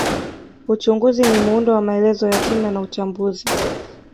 Uchunguzi ni muundo wa maelezo ya kina na uchambuzi